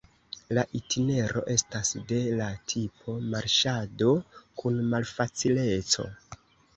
La itinero estas de la tipo marŝado kun malfacileco.